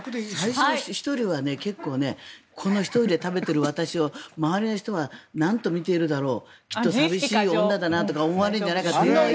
最初、１人はこの１人で食べている私を周りの人はなんと見ているだろうきっと寂しい女だなとか思われるんじゃないかという。